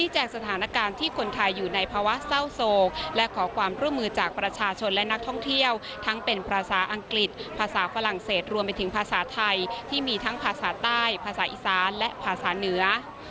จากการที่ประชาชนและนักท่องเที่ยวทั้งเป็นภาษาอังกฤษภาษาฝรั่งเศสรวมไปถึงภาษาไทยที่มีทั้งภาษาใต้ภาษาอิสานและภาษาเหนือ